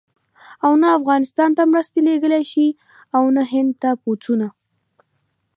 او نه افغانستان ته مرستې لېږلای شي او نه هند ته پوځونه.